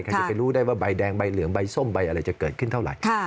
จะไปรู้ได้ว่าใบแดงใบเหลืองใบส้มใบอะไรจะเกิดขึ้นเท่าไหร่